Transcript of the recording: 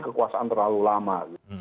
kekuasaan terlalu lama